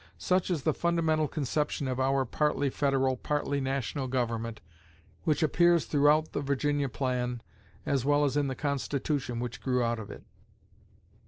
Such is the fundamental conception of our partly Federal, partly National Government, which appears throughout the Virginia plan, as well as in the Constitution which grew out of it.